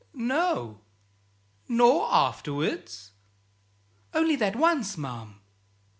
"No." "Nor afterwards?" "Only that once, ma'am."